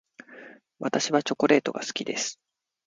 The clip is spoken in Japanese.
私はチョコレートが好きです。